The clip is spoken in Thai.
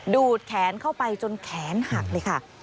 ดูดแขนเข้าไปจนแขนหักเลยค่ะ